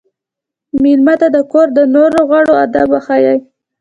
مېلمه ته د کور د نورو غړو ادب وښایه.